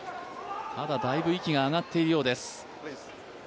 だいぶ息が上がっているようです。